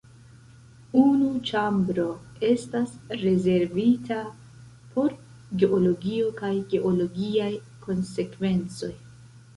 Unu ĉambro estas rezervita por geologio kaj geologiaj konsekvencoj.